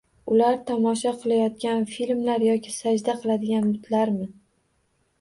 Ular tomosha qilayotgan filmlar yoki sajda qiladigan butlarmi?